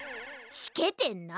しけてんな。